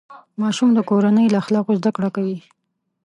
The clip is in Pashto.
ماشوم د کورنۍ له اخلاقو زده کړه کوي.